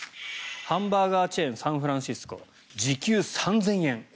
ハンバーガーチェーンサンフランシスコ時給３０００円。